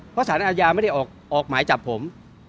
เพราะสารอาญาไม่ได้ออกหมายจับผม